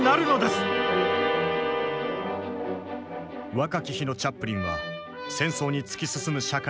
若き日のチャップリンは戦争に突き進む社会に疑問を抱きながらも